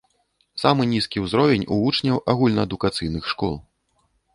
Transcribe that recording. Самы нізкі ўзровень у вучняў агульнаадукацыйных школ.